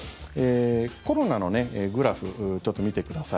コロナのグラフちょっと見てください。